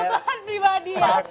kebutuhan pribadi ya